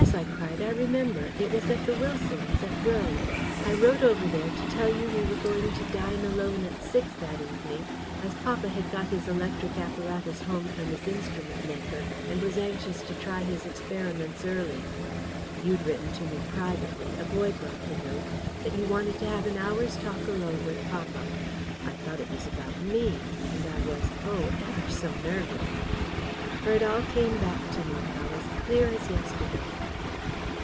I cried. "I remember. It was at the Wilsons', at Wrode. I wrote over there to tell you we were going to dine alone at six that evening, as papa had got his electric apparatus home from his instrument maker, and was anxious to try his experiments early. You'd written to me privately a boy brought the note that you wanted to have an hour's talk alone with papa. I thought it was about ME, and I was, oh, ever so nervous!" For it all came back to me now, as clear as yesterday.